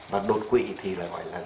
và đột quỵ thì gọi là